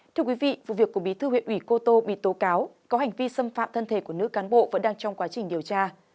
thưa quý vị vụ việc của bí thư huyện ủy cô tô bị tố cáo có hành vi xâm phạm thân thể của nữ cán bộ vẫn đang trong quá trình điều tra